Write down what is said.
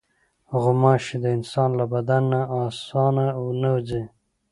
غوماشې د انسان له بدن نه اسانه نه ځي.